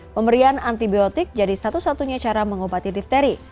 pemberian antibiotik jadi satu satunya cara mengobati difteri